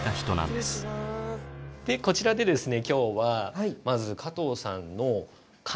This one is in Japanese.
こちらでですね